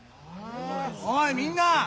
おいみんな。